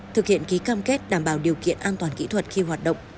thực hiện ký cam kết đảm bảo điều kiện an toàn kỹ thuật khi hoạt động